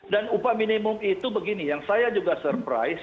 dan upah minimum itu begini yang saya juga surprise